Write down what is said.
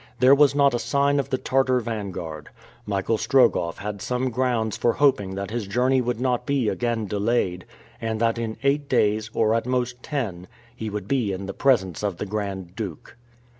There was not a sign of the Tartar vanguard. Michael Strogoff had some grounds for hoping that his journey would not be again delayed, and that in eight days, or at most ten, he would be in the presence of the Grand Duke.